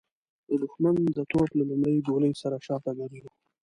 د د ښمن د توپ له لومړۍ ګولۍ سره شاته ګرځو.